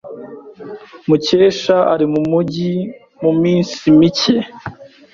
Mukesha ari mumujyi muminsi mike.